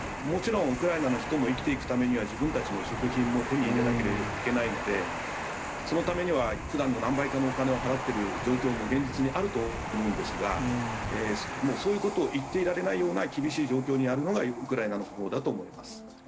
もちろんウクライナの人も生きていくためには自分たちの食品も手に入れなければいけないのでそのためには普段の何倍かのお金を払っている状況も現実にあると思うんですがそういうことを言っていられないような厳しい状況にあるのがウクライナだと思います。